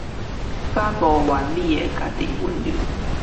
與不完美的自己溫柔